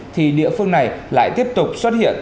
thì địa phương này lại tiếp tục xuất hiện